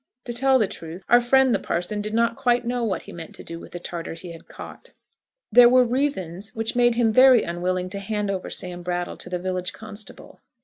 To tell the truth, our friend the parson did not quite know what he meant to do with the Tartar he had caught. There were reasons which made him very unwilling to hand over Sam Brattle to the village constable.